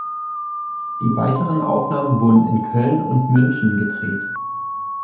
Die weiteren Aufnahmen wurden in Köln und München gedreht.